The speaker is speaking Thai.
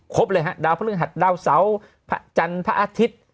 ครบเลยฮะดาวพระหนึ่งดาวเซาจรรย์พระอธิษฐ์